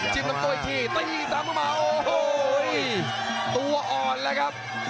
จินลำโต้อีกทีตีตามมาโอ้โหตัวอ่อนแล้วครับ